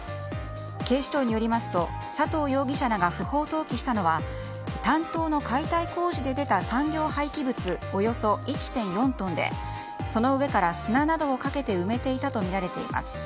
警視庁によりますと佐藤容疑者らが不法投棄したのは担当の解体工事で出た産業廃棄物およそ１．４トンでその上から砂などをかけて埋めていたとみられています。